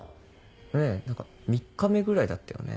ねぇ何か３日目ぐらいだったよね。